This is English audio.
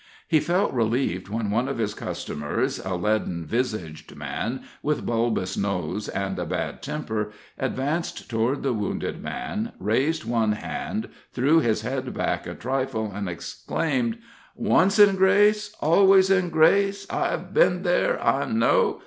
He felt relieved when one of his customers a leaden visaged man, with bulbous nose and a bad temper advanced toward the wounded man, raised one hand, threw his head back a trifle, and exclaimed: "Once in grace, always in grace. I've been there, I know.